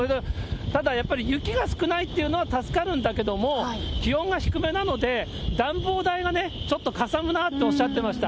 ただ雪が少ないっていうのは助かるんだけど、気温が低めなので、暖房代がね、ちょっとかさむなっておっしゃっていました。